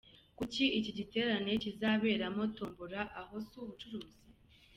Kuki iki giterane kizaberamo Tombola, aho si ubucuruzi?.